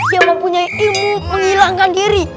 yang mempunyai ilmu menghilangkan diri